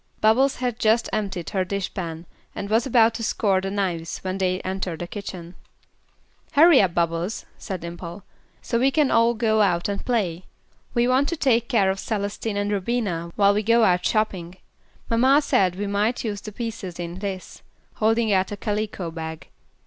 Bubbles had just emptied her dish pan and was about to scour the knives when they entered the kitchen. "Hurry up, Bubbles," said Dimple, "so we can all go out and play. We want you to take care of Celestine and Rubina, while we go out shopping. Mamma said we might use the pieces in this," holding out a calico bag.